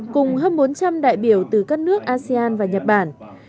cùng hơn bốn trăm linh đại biểu từ các nước asean và nhật bản